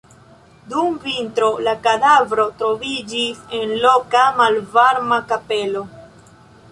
Dum vintro la kadavro troviĝis en loka malvarma kapelo.